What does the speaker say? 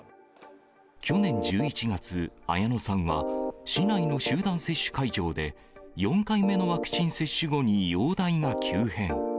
去年１１月、綾乃さんは、市内の集団接種会場で、４回目のワクチン接種後に容体が急変。